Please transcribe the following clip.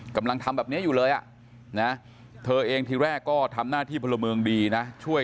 กำลังทำแบบเนี้ยอยู่เลย